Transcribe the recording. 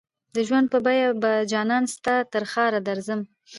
د ژوند په بیه به جانانه ستا ترښاره درځم